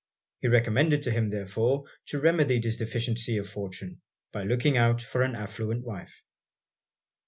He recommended to him therefore to remedy this deficiency of fortune, by looking out for an affluent wife.